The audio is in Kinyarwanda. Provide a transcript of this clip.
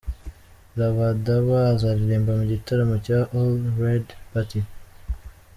Rabadaba azaririmba mu gitaramo cya All Red Party.